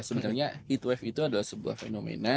sebenarnya heat wave itu adalah sebuah fenomena